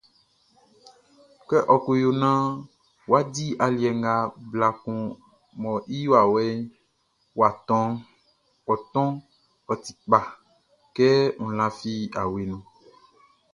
Kɛ ɔ ko yo naan wʼa di aliɛ nga bla kun mɔ i wawɛʼn wʼa tɔʼn, ɔ tɔnʼn, ɔ ti kpa, kɛ n lafi awe nunʼn.